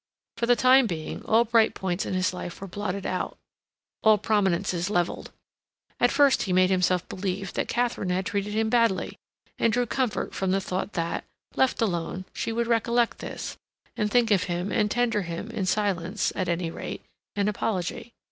For the time being all bright points in his life were blotted out; all prominences leveled. At first he made himself believe that Katharine had treated him badly, and drew comfort from the thought that, left alone, she would recollect this, and think of him and tender him, in silence, at any rate, an apology.